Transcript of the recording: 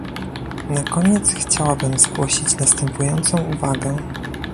Na koniec chciałabym zgłosić następującą uwagę